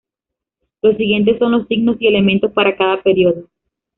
Los siguientes son los signos y elementos para cada periodo.